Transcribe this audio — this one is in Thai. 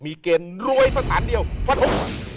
มีเกณฑ์รวยสถานเดียวฟันทง